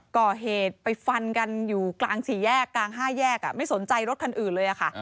ก่อเหตุไปฟันกันอยู่กลางสี่แยกกลาง๕แยกไม่สนใจรถคันอื่นเลยค่ะ